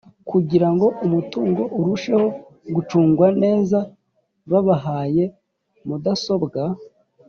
kugirango umutungo urusheho gucungwa neza babahaye mudasobwa